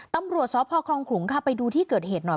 ตำรวจสพคลองขลุงค่ะไปดูที่เกิดเหตุหน่อย